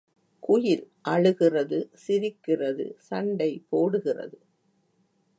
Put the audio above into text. குயில் அழுகிறது சிரிக்கிறது சண்டை போடுகிறது.